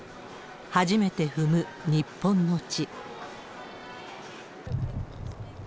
初めて踏む日本の地。